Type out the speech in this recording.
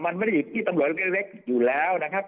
มันไม่ได้อยู่ที่ตำรวจเล็กอยู่แล้วนะครับ